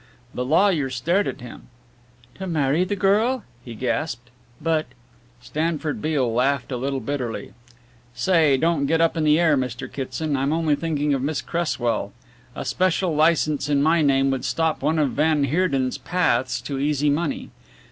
The lawyer stared at him. "To marry the girl?" he gasped. "But " Stanford Beale laughed a little bitterly. "Say, don't get up in the air, Mr. Kitson I'm only thinking of Miss Cresswell. A special licence in my name would stop one of van Heerden's paths to easy money.